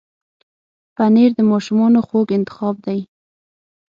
پنېر د ماشومانو خوږ انتخاب دی.